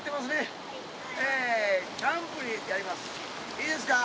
「いいですか？